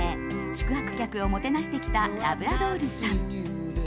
宿泊客をもてなしてきたラブラドールさん。